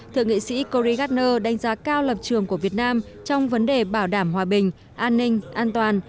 thượng nghị sĩ corey gardner đánh giá cao lập trường của việt nam trong vấn đề bảo đảm hòa bình an ninh an toàn